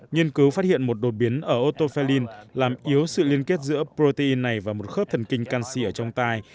nghiên cứu phát hiện một đột biến ở autophelin làm yếu sự liên kết giữa protein này và một khớp thần kinh canxi ở trong tai